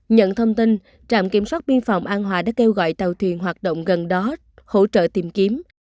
nhận thông tin trạm kiểm soát biên phòng an hòa đã kêu gọi tàu thuyền hoạt động gần đó hỗ trợ tìm kiếm